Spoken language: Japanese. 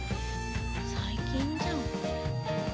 最近じゃん。